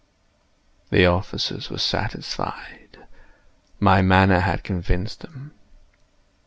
The officers were satisfied. My manner had convinced them.